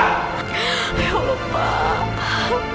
ya allah pak